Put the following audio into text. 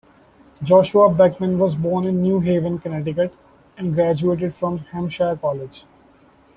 Joshua Beckman was born in New Haven, Connecticut., and graduated from Hampshire College.